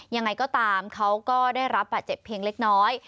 ยังไงก็ตามเขาก็ได้รับบาดเจ็บเพียงเล็กน้อย